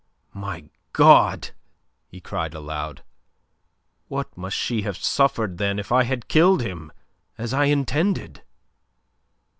"My God!" he cried aloud. "What must she have suffered, then, if I had killed him as I intended!"